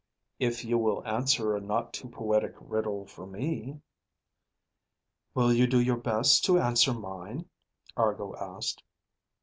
"If you will answer a not too poetic riddle for me." "Will you do your best to answer mine?" Argo asked.